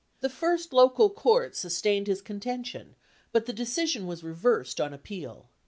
The first local court sustained his contention, but the de cision was reversed on appeal.